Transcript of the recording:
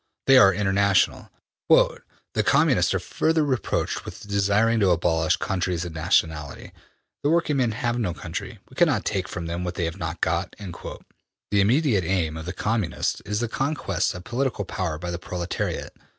They are international. ``The Communists are further reproached with desiring to abolish countries and nationality. The working men have no country. We cannot take from them what they have not got.'' The immediate aim of the Communists is the conquests of political power by the proletariat.